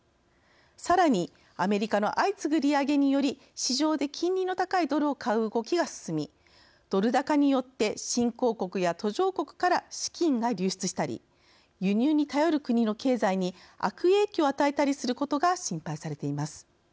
さらに、アメリカの相次ぐ利上げにより市場で金利の高いドルを買う動きが進み、ドル高によって新興国や途上国から資金が流出したり輸入に頼る国の経済に悪影響を与えたりすることが心配されています。